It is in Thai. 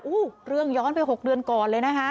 เรื่องย้อนไป๖เดือนก่อนเลยนะคะ